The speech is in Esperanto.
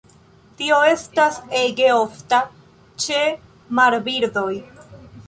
Tio estas ege ofta ĉe marbirdoj.